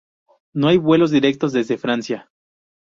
No hay vuelos directos desde Francia.